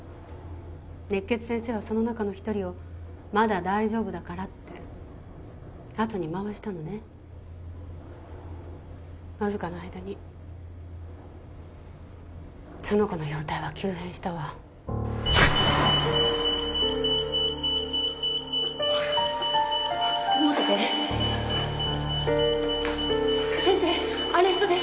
熱血先生はその中の一人をまだ大丈夫だからって後にまわしたのねわずかの間にその子の容体は急変したわ先生アレストです